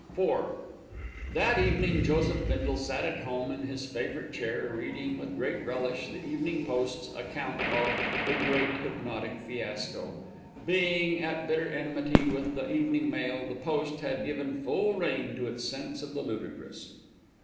IV That evening Joseph Bindle sat at home in his favourite chair reading with great relish The Evening Post's account of THE GREAT HYPNOTIC FIASCO. Being at bitter enmity with The Evening Mail, the Post had given full rein to its sense of the ludicrous.